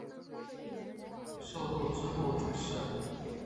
授度支部主事。